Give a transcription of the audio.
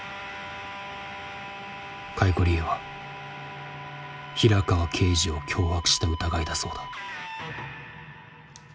解雇理由は平川刑事を脅迫した疑いだそうだ。